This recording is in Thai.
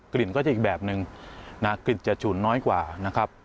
กลิ่นก็จะอีกแบบนึงนะกลิ่นจะฉุนน้อยกว่านะครับ